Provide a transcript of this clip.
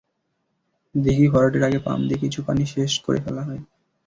দীঘি ভরাটের আগে পাম্প দিয়ে কিছু পানি সেচ করে ফেলা হয়।